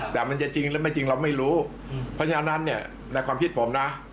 แต่มันจะจริงหรือไม่จริงเราไม่รู้เพราะฉะนั้นเนี่ยในความคิดผมนะ